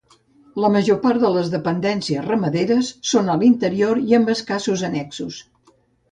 La major part de les dependències ramaderes són a l'interior i amb escassos annexos.